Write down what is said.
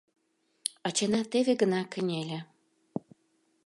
Ачана теве гына кынеле.